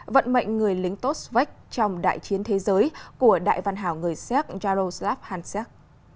vận mệnh người lính tốt svek trong đại chiến thế giới của đại văn hảo người séc jaroslav hansek